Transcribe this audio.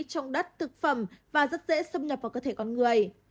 trong đất thực phẩm và rất dễ xâm nhập vào cơ thể con người